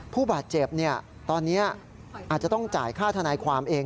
ผู้บาดเจ็บตอนนี้อาจจะต้องจ่ายค่าทนายความเอง